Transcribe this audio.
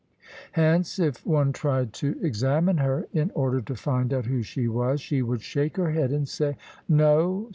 Hence, if one tried to examine her, in order to find out who she was, she would shake her head, and say, "No!